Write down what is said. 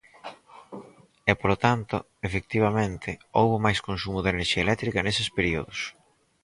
E, polo tanto, efectivamente houbo máis consumo de enerxía eléctrica neses períodos.